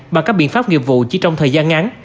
bằng các biện pháp nghiệp vụ chỉ trong thời gian ngắn